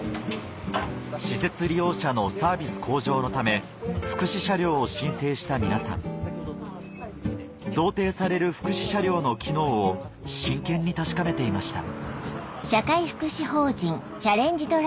施設利用者のサービス向上のため福祉車両を申請した皆さん贈呈される福祉車両の機能を真剣に確かめていました